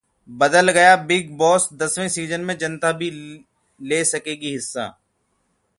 बदल गया 'Bigg Boss', दसवें सीजन में जनता भी ले सकेगी हिस्सा